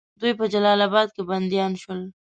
دوی په جلال آباد کې بندیان شول.